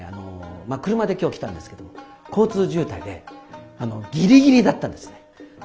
車で今日来たんですけど交通渋滞でギリギリだったんですね。